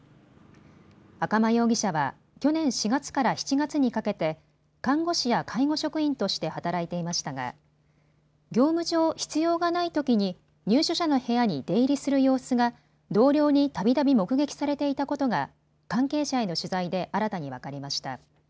赤間容疑者は去年４月から７月にかけて看護師や介護職員として働いていましたが業務上、必要がないときに入所者の部屋に出入りする様子が同僚にたびたび目撃されていたことが関係者への取材で新たに分かりました。